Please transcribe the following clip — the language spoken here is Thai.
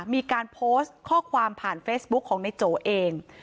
มีการโพสต์ข้อความผ่านเฟซบุ๊คของในโจเอง